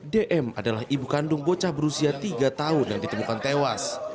dm adalah ibu kandung bocah berusia tiga tahun yang ditemukan tewas